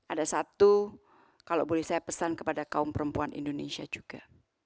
ada satu kalau boleh saya pesan kepada kaum perempuan indonesia juga